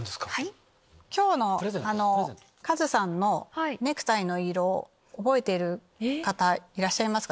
今日のカズさんのネクタイの色覚えている方いらっしゃいますか？